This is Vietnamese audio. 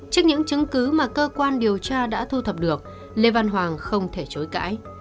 trước những chứng cứ mà cơ quan điều tra đã thu thập được lê văn hoàng không thể chối cãi